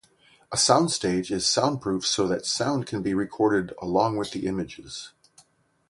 A soundstage is sound-proofed so that sound can be recorded along with the images.